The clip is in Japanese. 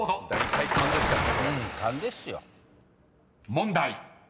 ［問題］